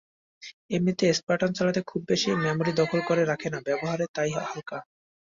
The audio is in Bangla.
এমনিতে স্পার্টান চালাতে খুব বেশি মেমোরি দখল করে রাখে না, ব্যবহারে তাই হালকা।